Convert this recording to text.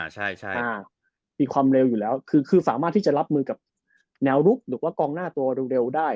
ใช่มีความเร็วอยู่แล้วคือสามารถที่จะรับมือกับแนวลุกหรือว่ากองหน้าตัวเร็วได้